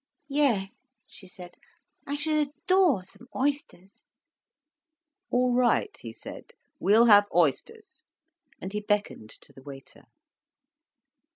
"Yes," she said, "I should adore some oysters." "All right," he said. "We'll have oysters." And he beckoned to the waiter.